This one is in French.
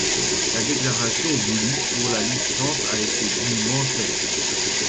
La déclaration voulue pour la licence a été dûment faite.